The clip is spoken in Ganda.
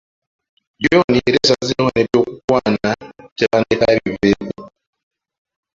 John yali asazeewo n’ebyokukwana Tebandeke abiveeko.